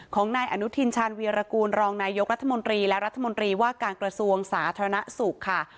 ของนายอนุทินชาญวีรกูลรองนายกรัฐมนตรีและรัฐมนตรีว่าการกระทรวงสาธารณสุขค่ะ